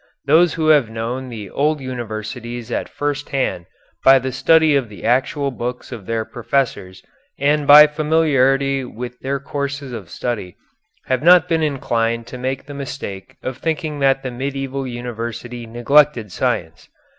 Those who have known the old universities at first hand by the study of the actual books of their professors and by familiarity with their courses of study, have not been inclined to make the mistake of thinking that the medieval university neglected science.